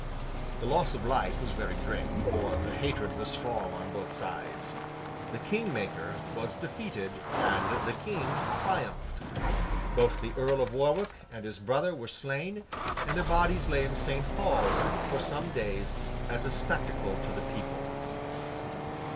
The loss of life was very great, for the hatred was strong on both sides. The King Maker was defeated, and the King triumphed. Both the Earl of Warwick and his brother were slain, and their bodies lay in St. Paul's, for some days, as a spectacle to the people.